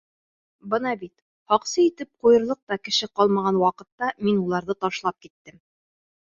Бына бит, һаҡсы итеп ҡуйырлыҡ та кеше ҡалмаған ваҡытта мин уларҙы ташлап киттем.